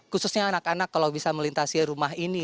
khususnya anak anak kalau bisa melintasi rumah ini